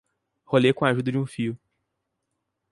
Role com a ajuda de um fio.